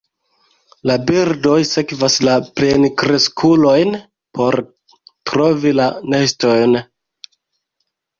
La birdoj sekvas la plenkreskulojn por trovi la nestojn.